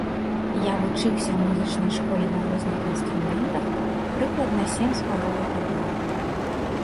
Я вучыўся ў музычнай школе на розных інструментах прыкладна сем з паловай гадоў.